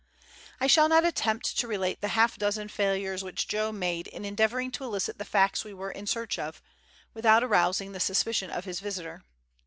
I shall not attempt to relate the half dozen failures which Joe made in endeavouring to elicit the facts we were in search of, without arousing the suspicion of his visitor.